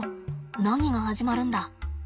何が始まるんだ？